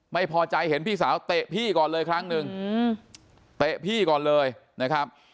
ไม่พอใจเห็นพี่สาวเตะพี่ก่อนเลยครั้งหนึ่งเตะพี่ก่อนเลยนะครับ